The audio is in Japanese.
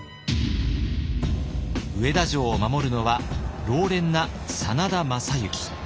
上田城を守るのは老練な真田昌幸。